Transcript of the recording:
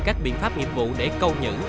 các biện pháp nghiệp vụ để câu nhữ